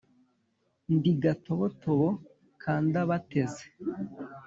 Ndi Gatobotobo ka Ndabateze,